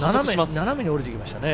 斜めに下りてきましたね。